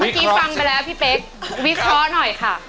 เมื่อกี้ฟังไปแล้วพี่เป๊กวิเคราะห์หน่อยค่ะ